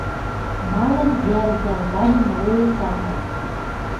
«Малын вӓл йӓл ганьы млоец ам ыл?»